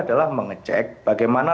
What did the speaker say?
adalah mengecek bagaimana